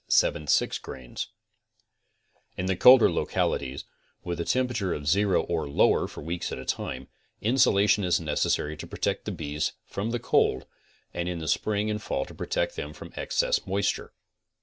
In the colder lo 40 CONSTRUCTIVE BEEKEEPING calities, with a temperature of zero or lower for weeks at a time, insulation is necessary to protect the bees from the cold, aud in spring and fall to protect them from excess of moisture.